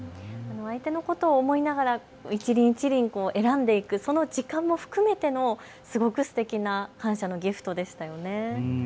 相手のことを思いながら一輪一輪選んでいく、その時間も含めてのすごくすてきな感謝のギフトでしたよね。